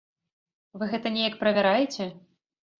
Вы гэта неяк правяраеце?